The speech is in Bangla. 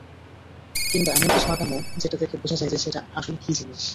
কিংবা এমন কিছু আঁকানো যেটা দেখে বোঝা যায় যে, সেটা আসলে কী জিনিস।